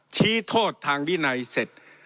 ชี้โทษทางวินัยเสร็จ